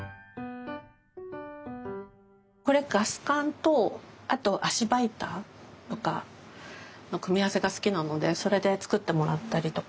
これガス管とあと足場板とかの組み合わせが好きなのでそれで作ってもらったりとか。